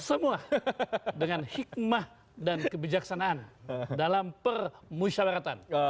semua dengan hikmah dan kebijaksanaan dalam permusyawaratan